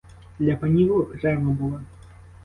Для панів окрема була.